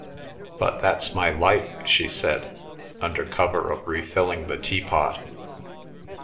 "But that's my life," she said, under cover of refilling the teapot.